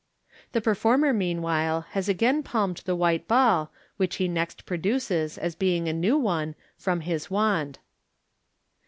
The performer, meanwhile, has again palmed the white ball, which he next produces, as being a new one, from his wand.